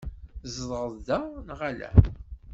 Tzedɣeḍ da, neɣ ala?